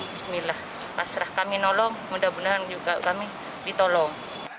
bismillah pasrah kami nolong mudah mudahan juga kami ditolong